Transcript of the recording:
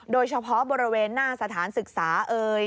โดยเฉพาะบริเวณหน้าสถานศึกษาเอ่ย